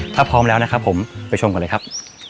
ถ้าพร้อมแล้วนะครับผมไปชมกันเลยครับ